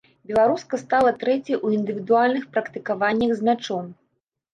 Беларуска стала трэцяй у індывідуальных практыкаваннях з мячом.